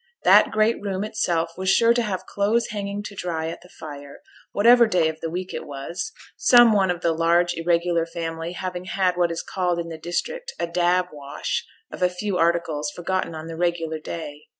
That great room itself was sure to have clothes hanging to dry at the fire, whatever day of the week it was; some one of the large irregular family having had what is called in the district a 'dab wash' of a few articles, forgotten on the regular day.